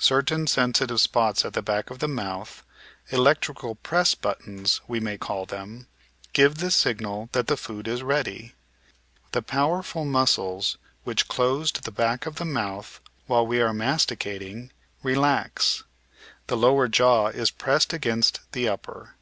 Certain sensitive spots at the back of the mouth — electrical press buttons, we may call them — ^give the signal that the food is ready. The powerful muscles which closed the back of the mouth while we are masti cating, relax. The lower jaw is pressed against the upper.